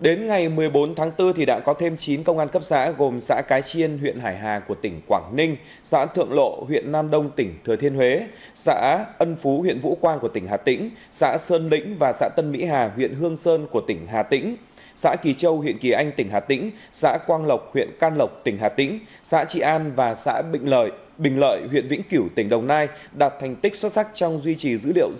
đến ngày một mươi bốn tháng bốn đã có thêm chín công an cấp giá gồm xã cái chiên huyện hải hà tỉnh quảng ninh xã thượng lộ huyện nam đông tỉnh thừa thiên huế xã ân phú huyện vũ quang tỉnh hà tĩnh xã sơn lĩnh xã tân mỹ hà huyện hương sơn tỉnh hà tĩnh xã kỳ châu huyện kỳ anh tỉnh hà tĩnh xã quang lộc huyện can lộc tỉnh hà tĩnh xã trị an và xã bình lợi huyện vĩnh cửu tỉnh đồng nai đạt thành tích xuất sắc trong duy trì dữ liệu